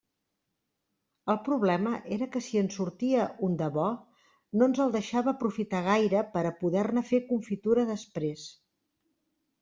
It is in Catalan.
El problema era que si en sortia un de bo, no ens el deixava aprofitar gaire per a poder-ne fer confitura després.